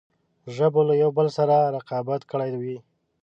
ژبو له یوه بل سره رقابت کړی وي.